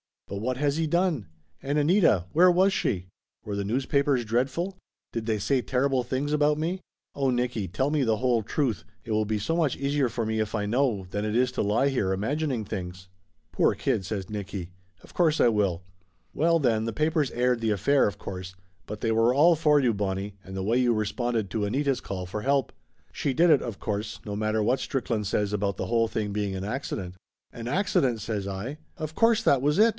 But what has he done? And Anita where was she? Were the news papers dreadful? Did they say terrible things about me? Oh, Nicky, tell me the whole truth it will be so much easier for me if I know, than it is to lie here imagining things !" "Poor kid!" says Nicky. "Of course I will. Well then, the papers aired the affair, of course, but they were all for you, Bonnie, and the way you responded to Anita's call for help. She did it, of course, no mat ter what Strickland says about the whole thing being an accident." "An accident!" says I. "Of course that was it!